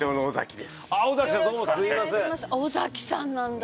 尾崎さんなんだ。